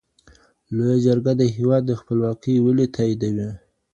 لویه جرګه د هیواد خپلواکي ولي تاییدوي؟